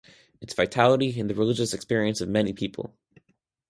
Its vitality is in the religious experiences of many people.